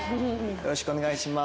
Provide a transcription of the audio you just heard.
よろしくお願いします。